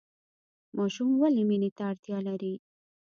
ماشوم ولې مینې ته اړتیا لري؟